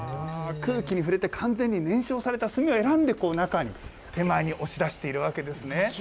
空気に触れて、完全に燃焼された炭を選んで、中に、手前に押し出しているんですね。